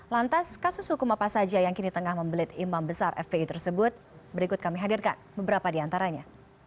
lantas kasus hukum apa saja yang kini tengah membelit imam besar fpi tersebut berikut kami hadirkan beberapa di antaranya